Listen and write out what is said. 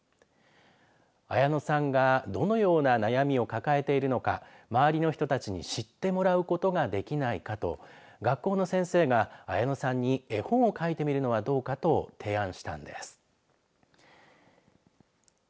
あやのさんがどのような悩みを抱えているのか周りの人たちに知ってもらうことができないかと学校の先生が、あやのさんに絵本を描いてみるのはどうかと提案したんです。